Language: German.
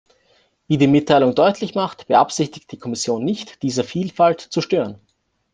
Wie die Mitteilung deutlich macht, beabsichtigt die Kommission nicht, diese Vielfalt zu stören.